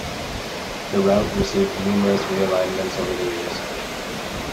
The route received numerous realignments over the years.